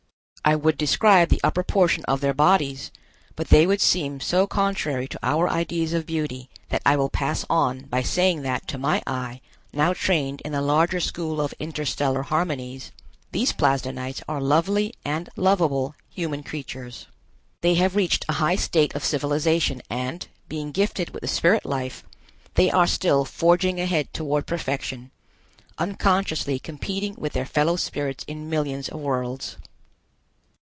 I would describe the upper portion of their bodies, but they would seem so contrary to our ideas of beauty that I will pass on by saying that to my eye, now trained in the larger school of interstellar harmonies, these Plasdenites are lovely and lovable human creatures. They have reached a high state of civilization and, being gifted with the spirit life, they are still forging ahead toward perfection, unconsciously competing with their fellow spirits in millions of worlds.